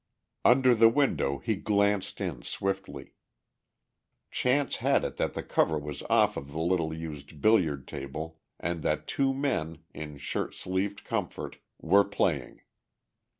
Under the window he glanced in swiftly. Chance had it that the cover was off of the little used billiard table and that two men, in shirt sleeved comfort, were playing.